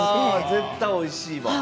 絶対においしい。